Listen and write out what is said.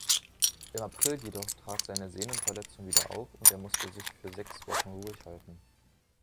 Im April jedoch trat seine Sehnenverletzung wieder auf und er musste sich für sechs Wochen ruhig halten.